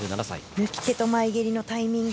貫手と前蹴りのタイミング